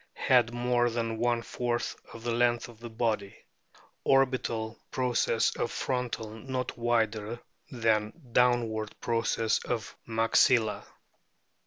Head more than one fourth the length of the body. Orbital pro cess of frontal not wider than downward process of maxilla.